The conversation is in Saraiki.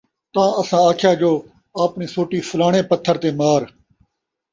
تاں اَساں آکھیا جو اَپڑیں سوٹی فلاݨیں پتھر تے مار،